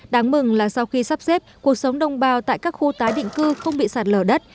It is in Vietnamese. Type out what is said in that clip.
đáng mừng là sau khi sắp xếp cuộc sống đồng bào tại các khu tái định cư không bị sạt lở đất